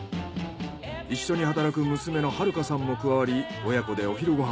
一緒に働く娘の遥さんも加わり親子でお昼ご飯。